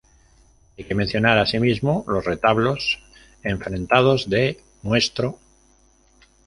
Hay que mencionar asimismo los retablos enfrentados de "Ntro.